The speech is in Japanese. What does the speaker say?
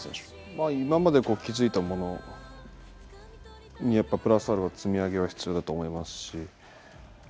まあ今まで築いたものにやっぱプラスアルファ積み上げは必要だと思いますしま